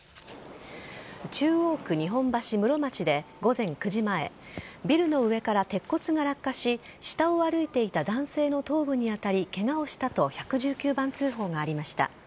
中央区日本橋室町で午前９時前ビルの上から鉄骨が落下し下を歩いていた男性の頭部に当たり、ケガをしたと１１９番通報がありました。